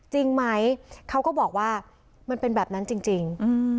จริงไหมเขาก็บอกว่ามันเป็นแบบนั้นจริง